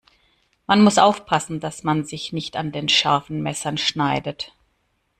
Man muss aufpassen, dass man sich nicht an den scharfen Messern schneidet.